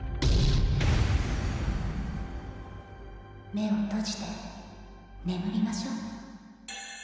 目を閉じて眠りましょ。